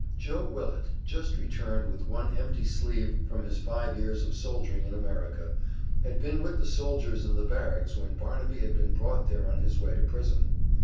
Joe Willet, just returned with one empty sleeve from his five years of soldiering in America, had been with the soldiers in the barracks when Barnaby had been brought there on his way to prison.